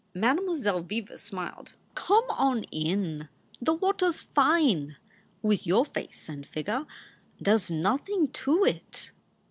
Mademoiselle Viva smiled. Come on in; the water s fine. With your face and figger, there s nothin to it."